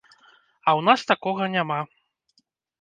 А ў нас такога няма.